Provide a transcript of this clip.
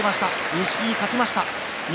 錦木、勝ちました。